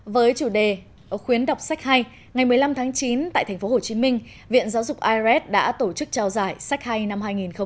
với chủ đề khuyến đọc sách hay ngày một mươi năm tháng chín tại tp hcm viện giáo dục irs đã tổ chức trao giải sách hay năm hai nghìn hai mươi